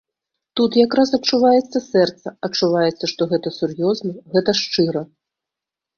Тут як раз адчуваецца сэрца, адчуваецца, што гэта сур'ёзна, гэта шчыра.